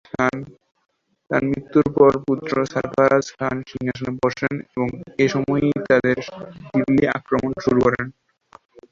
তার মৃত্যুর পর পুত্র সরফরাজ খান সিংহাসনে বসেন এবং এ সময়ই নাদের শাহ দিল্লি আক্রমণ করেন।